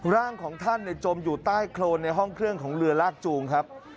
ร่างของท่านจมอยู่ใต้โครนในห้องเครื่องของเรือลากจูงครับ